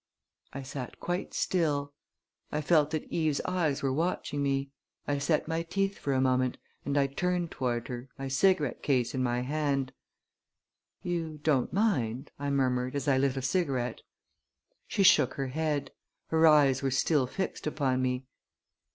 I sat quite still. I felt that Eve's eyes were watching me. I set my teeth for a moment; and I turned toward her, my cigarette case in my hand. "You don't mind?" I murmured as I lit a cigarette. She shook her head. Her eyes were still fixed upon me.